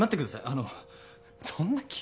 あのそんな急に。